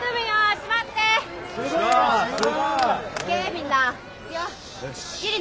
よし！